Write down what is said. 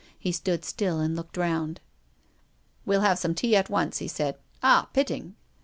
He stood still and looked round. " We'll have some tea at once," he said. "Ah, Pitting!"